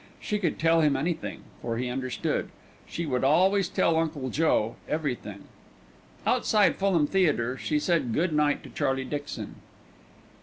She could tell him anything, for he understood. She would always tell Uncle Joe everything. Outside Fulham Theatre she said good night to Charlie Dixon.